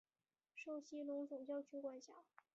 受西隆总教区管辖。